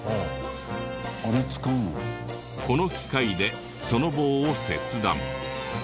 この機械でその棒を切断。